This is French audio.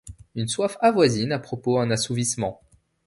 Une soif avoisine à propos un assouvissement.